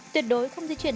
tuyệt đối không di chuyển